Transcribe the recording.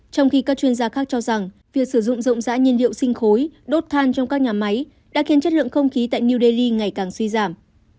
trong khi các chuyên gia khác cho rằng việc sử dụng rộng rãi nhiên liệu sinh khối đốt than trong các nhà máy đã khiến chất lượng không khí tại new delhi ngày càng suy giảm